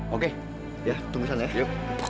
oke tunggu di sana ya